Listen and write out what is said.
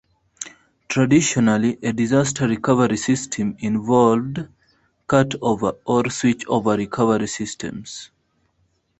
Traditionally, a disaster recovery system involved cutover or switch-over recovery systems.